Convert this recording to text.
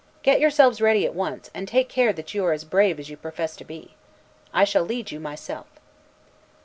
Get yourselves ready at once, and take care that you are as brave as you profess to be. I shall lead you myself."